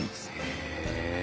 へえ。